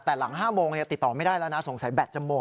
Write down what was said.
แต่หลัง๕โมงติดต่อไม่ได้แล้วนะสงสัยแบตจมูก